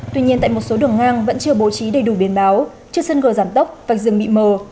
tuy nhiên tại một số đường ngang vẫn chưa bố trí đầy đủ biến báo chưa sân gờ giảm tốc và dừng bị mờ